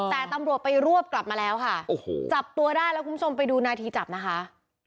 แต่ตำรวจไปรวบกลับมาแล้วค่ะโอ้โหจับตัวได้แล้วคุณผู้ชมไปดูนาทีจับนะคะ